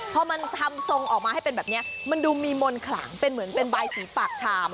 พอมันทำทรงออกมาให้เป็นแบบนี้มันดูมีมนต์ขลังเป็นเหมือนเป็นบายสีปากชาม